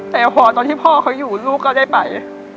แต่พอตอนที่พ่อเขาอยู่ลูกก็ได้ไป